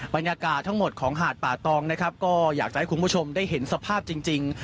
บรรยากาศทั้งหมดของหาดป่าตองนะครับก็อยากจะให้คุณผู้ชมได้เห็นสภาพจริง